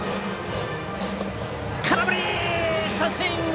空振り三振！